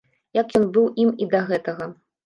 Як ён быў ім і да гэтага.